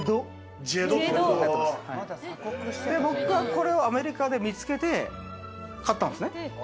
僕はこれをアメリカで見つけて買ったんですね。